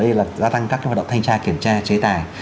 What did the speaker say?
đây là gia tăng các hoạt động thanh tra kiểm tra chế tài